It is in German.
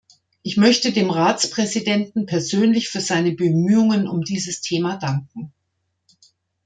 Ich möchte dem Ratspräsidenten persönlich für seine Bemühungen um dieses Thema danken.